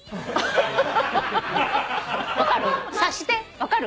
分かる？